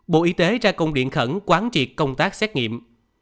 bộ y tế ra công điện khẩn quán triệt công tác xét nghiệm